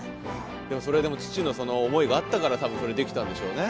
それでも父の思いがあったから多分それできたんでしょうね。